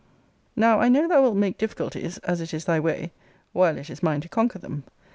Now I know thou wilt make difficulties, as it is thy way; while it is mine to conquer them.